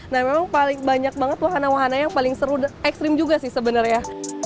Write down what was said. nah memang paling banyak banget wahana wahana yang paling seru dan ekstrim juga sih sebenarnya